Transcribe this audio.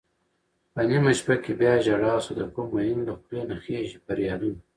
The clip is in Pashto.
په نېمه شپه کې بياژړا سوه دکوم مين له خولې نه خيژي فريادونه